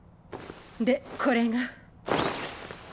でこれが。